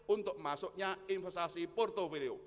untuk masuknya inflasi portofilio